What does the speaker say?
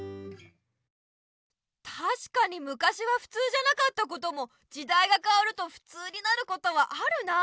たしかにむかしはふつうじゃなかったこともじだいがかわるとふつうになることはあるなあ。